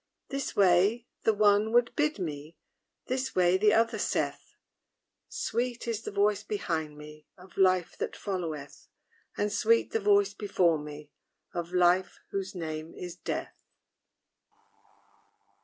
This way the one would bid me; This way the other saith: Sweet is the voice behind me Of LIFE that followeth; And sweet the voice before me Of LIFE whose name is DEATH.